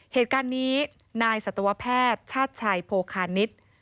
เหตุการณ์นี้นายสัตวแพทย์ชาติชัยโพคานิษฐ์